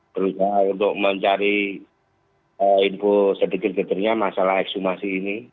berusaha untuk mencari info sedikit gedenya masalah ekshumasi ini